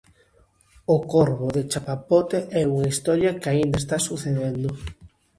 O corvo de chapapote é unha historia que aínda está sucedendo.